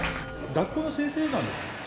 学校の先生なんですか？